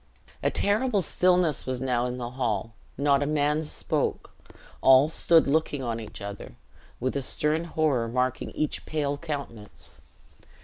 A terrible stillness was now in the hall. Not a man spoke; all stood looking on each other, with a stern horror marking each pale countenance.